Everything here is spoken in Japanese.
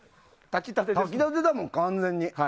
炊き立てだもん、完全に。